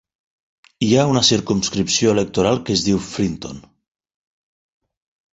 Hi ha una circumscripció electoral que es diu Frinton.